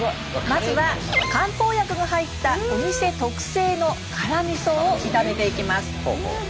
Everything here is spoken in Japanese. まずは漢方薬が入ったお店特製の辛みそを炒めていきます。